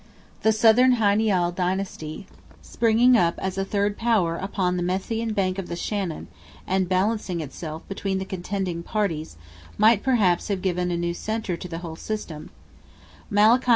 The Southern Hy Nial dynasty, springing up as a third power upon the Methian bank of the Shannon, and balancing itself between the contending parties, might perhaps have given a new centre to the whole system; Malachy II.